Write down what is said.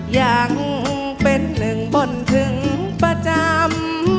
ยังเป็นหนึ่งบนถึงประจำ